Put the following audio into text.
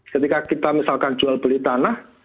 ketika kita misalkan jual beli tanah